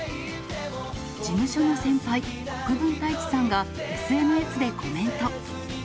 事務所の先輩、国分太一さんがＳＮＳでコメント。